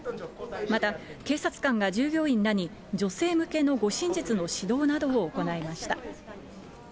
また、警察官が従業員らに女性向けの護身術の指導などを行いました。